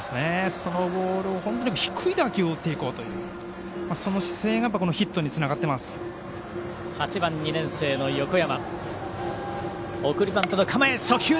そのボールを低い打球を打っていこうというその姿勢が８番、２年生の横山。